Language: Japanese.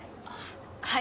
はい。